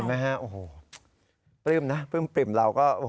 พอปลื้มนะปริมปลื้มเราก็น้ำตาครอ